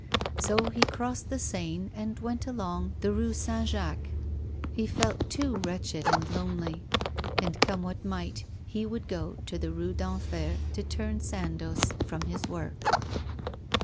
So he crossed the Seine and went along the Rue St. Jacques. He felt too wretched and lonely; and, come what might, he would go to the Rue d'Enfer to turn Sandoz from his work.